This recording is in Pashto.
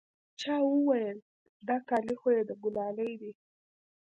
چا وويل دا کالي خو يې د ګلالي دي.